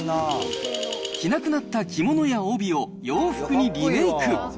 着なくなった着物や帯を洋服にリメイク。